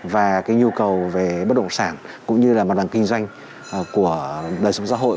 và cái nhu cầu về bất động sản cũng như là mặt bằng kinh doanh của đời sống xã hội